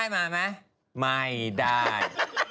ไม่ได้